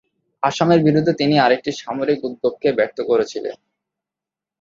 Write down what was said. আসামের বিরুদ্ধে তিনি আরেকটি সামরিক উদ্যোগকে ব্যর্থ করেছিলেন।